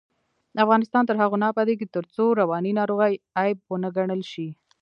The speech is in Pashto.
افغانستان تر هغو نه ابادیږي، ترڅو رواني ناروغۍ عیب ونه ګڼل شي.